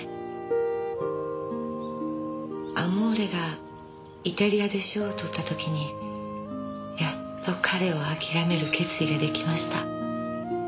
『アモーレ』がイタリアで賞をとった時にやっと彼を諦める決意が出来ました。